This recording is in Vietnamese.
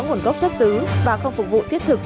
nguồn gốc xuất xứ và không phục vụ thiết thực